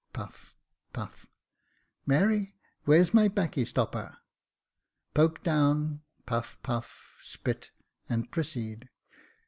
[Puff, pufF; " Mary, where's my 'baccy stopper ?" poke down, puff, puff, spit, and proceed.